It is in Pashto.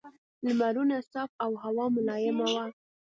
لمرونه صاف او هوا ملایمه وه.